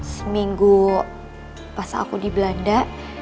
seminggu pas aku di belanda